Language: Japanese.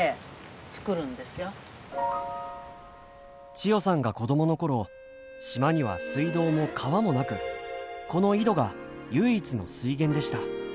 千代さんが子供のころ島には水道も川もなくこの井戸が唯一の水源でした。